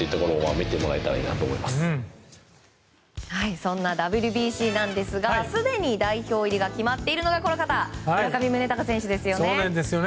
そんなＷＢＣなんですがすでに代表入りが決まっているのが村上宗隆選手ですよね。